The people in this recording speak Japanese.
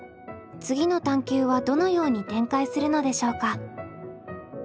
次の探究はどのように展開するのでしょうか？